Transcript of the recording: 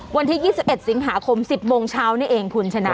วันที่๒๑สิงหาคม๑๐โมงเช้านี่เองคุณชนะ